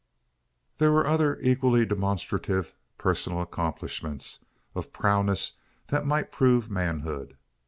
There were others equally demonstrative of personal accomplishments of prowess that might prove manhood.